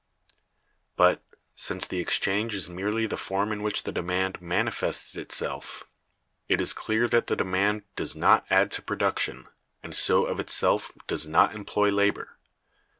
But, since the exchange is merely the form in which the demand manifests itself, it is clear that the demand does not add to production, and so of itself does not employ labor.